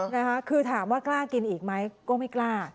นะคะคือถามว่ากล้ากินอีกไหมก็ไม่กล้า